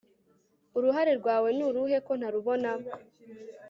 uruhare rwawe n'urruhe ko ntarubona